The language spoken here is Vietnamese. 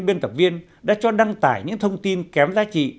biên tập viên đã cho đăng tải những thông tin kém giá trị